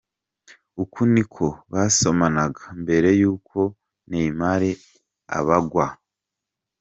uku niko basomanaga mbere y’uko Neymar abagwa.